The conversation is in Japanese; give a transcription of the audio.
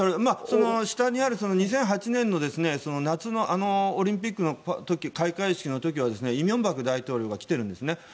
その下にある２００８年の夏のオリンピックの時開会式の時は李明博大統領が来ているんですね。